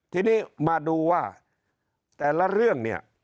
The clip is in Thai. ทีนี้มาดูว่าแต่ละเรื่อง